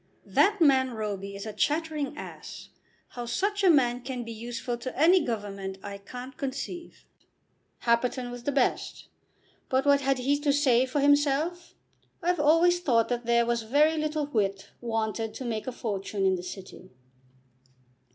That man Roby is a chattering ass. How such a man can be useful to any government I can't conceive. Happerton was the best, but what had he to say for himself? I've always thought that there was very little wit wanted to make a fortune in the City."